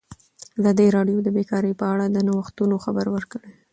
ازادي راډیو د بیکاري په اړه د نوښتونو خبر ورکړی.